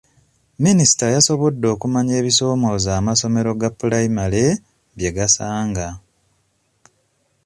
Minisita yasobodde okumanya ebisoomooza amasomero ga pulayimale bye gasanga.